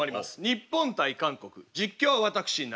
日本対韓国実況は私永沢。